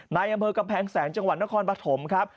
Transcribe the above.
ในอำเภอกำแพงแสนจังหวัดนครปฐมครับ